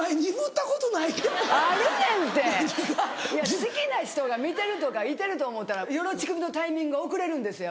好きな人が見てるとかいてると思うたら「よろちくび」のタイミングが遅れるんですよ